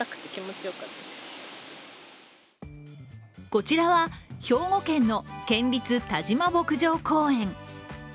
こちらは兵庫県の県立但馬牧場公園。